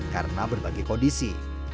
karena berbagai kondisi